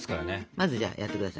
まずじゃあやって下さい。